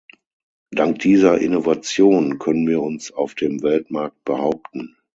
Dank dieser Innovation können wir uns auf dem Weltmarkt behaupten.